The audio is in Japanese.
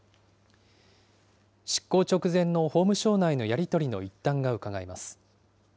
執行直前の法務省内のやり取りの一端がうかがえます。